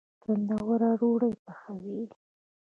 تندور ډوډۍ پخوي